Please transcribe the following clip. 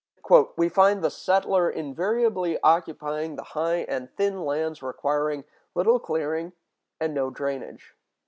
"We find the settler invariably occupying the high and thin lands requiring little clearing and no drainage.